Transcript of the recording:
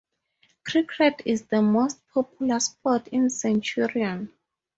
Cricket is the most popular sport in Centurion.